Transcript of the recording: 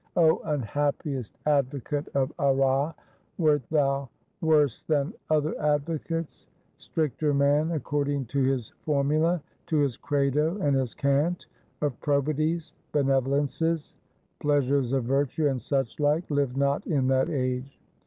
O unhappiest advocate of Arras, wert thou worse than other Advocates? Stricter man, according to his For mula, to his Credo and his Cant, of probities, benevo lences, pleasures of virtue, and such like, lived not in that age.